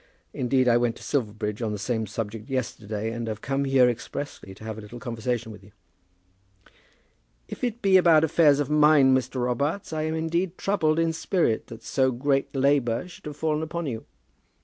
Indeed, I went to Silverbridge on the same subject yesterday, and have come here expressly to have a little conversation with you." "If it be about affairs of mine, Mr. Robarts, I am indeed troubled in spirit that so great labour should have fallen upon you."